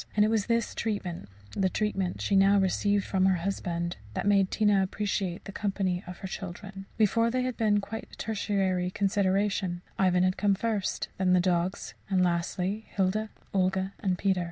And it was this treatment the treatment she now received from her husband that made Tina appreciate the company of her children. Before, they had been quite a tertiary consideration Ivan had come first; then the dogs; and lastly, Hilda, Olga, and Peter.